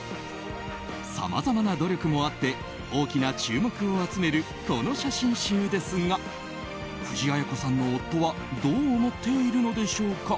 さまざまな努力もあって大きな注目を集めるこの写真集ですが藤あや子さんの夫はどう思っているのでしょうか。